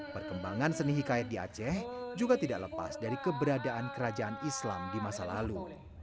perkembangan seni hikayat di aceh juga tidak lepas dari keberadaan kerajaan islam di masa lalu